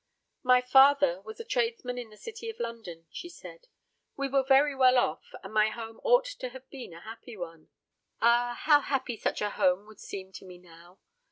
"My father was a tradesman in the city of London," she said. "We were very well off, and my home ought to have been a happy one. Ah, how happy such a home would seem to me now!